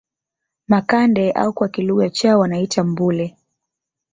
Makande au kwa kilugha chao wanaita Mbure